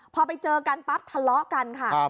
พอไปเจอกันปั๊บทะเลาะกันค่ะ